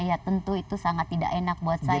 ya tentu itu sangat tidak enak buat saya